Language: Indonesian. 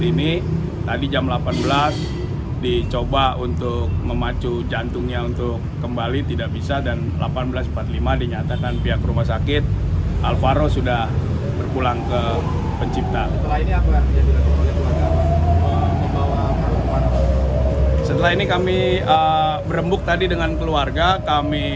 ini tadi jam delapan belas dicoba untuk memacu jantungnya untuk kembali tidak bisa dan delapan belas empat puluh lima dinyatakan pihak